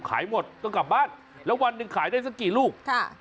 ขายหมดก็กลับบ้านแล้ววันหนึ่งขายได้สักกี่ลูกค่ะ